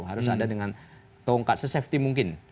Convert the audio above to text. harus ada dengan tongkat sesafety mungkin